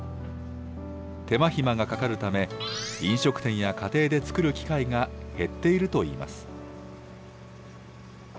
手間暇がかかるため、飲食店や家庭で作る機会が減っているといいます。